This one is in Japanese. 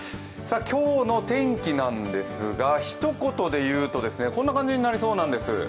今日の天気なんですが、ひと言で言うとこんな感じになりそうなんてす。